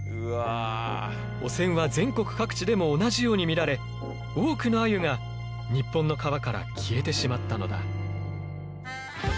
汚染は全国各地でも同じように見られ多くのアユが日本の川から消えてしまったのだ。